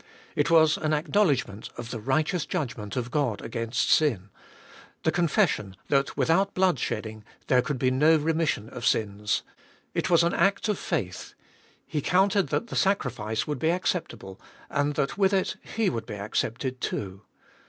It was an acknowledgment of the righteous judgment of God against sin ; the confession that without blood shedding there could be no remission of sins. It was an act of faith ; he counted that the sacrifice would be acceptable, and that with it he would be accepted too.